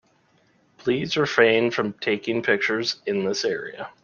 Please refrain from taking pictures in this area.